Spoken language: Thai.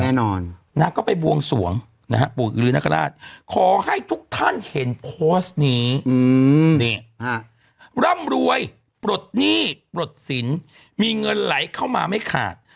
นางก็ไปบวงสวงนะฮะปู่อิรินคราชขอให้ทุกท่านเห็นโพสต์นี้นี่ร่ำรวยปลดหนี้ปลดสินมีเงินไหลเข้ามาไม่ขาด